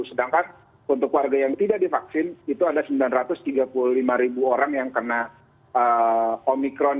sedangkan untuk warga yang tidak divaksin itu ada sembilan ratus tiga puluh lima ribu orang yang kena omikron